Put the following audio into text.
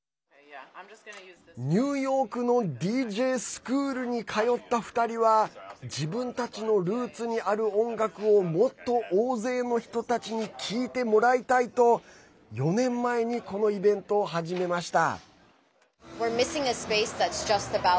ニューヨークのＤＪスクールに通った２人は自分たちのルーツにある音楽をもっと大勢の人たちに聴いてもらいたいと、４年前にこのイベントを始めました。